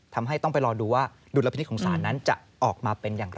ทำให้ต้องไปรอดูว่าดุลพินิษฐของศาลนั้นจะออกมาเป็นอย่างไร